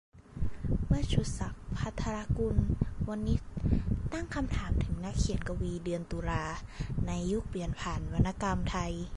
เมื่อ "ชูศักดิ์ ภัทรกุลวณิชย์" ตั้งคำถามถึงนักเขียน-กวี "เดือนตุลา" ใน "ยุคเปลี่ยนผ่านวรรณกรรมไทย"